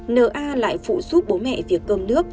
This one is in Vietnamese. nna lại phụ giúp bố mẹ việc cơm nước